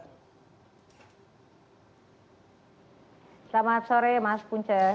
selamat sore mas punca